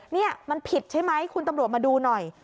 นี่มันผิดใช่ไหมคุณตำรวจมาดูหน่อย